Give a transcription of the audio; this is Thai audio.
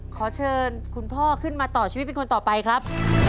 ขอเชิญคุณพ่อขึ้นมาต่อชีวิตเป็นคนต่อไปครับ